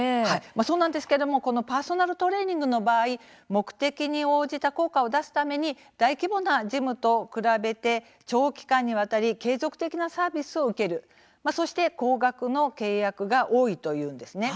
そうなんですけれどもこのパーソナルトレーニングの場合、目的に応じた効果を出すために大規模なジムと比べて長期間にわたり継続的なサービスを受けるそして高額の契約が多いというんですね。